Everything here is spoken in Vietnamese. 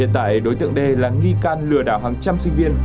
tại đối tượng d là nghi can lừa đảo hàng trăm sinh viên